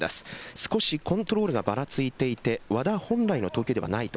少しコントロールがばらついていて和田本来の投球ではないと。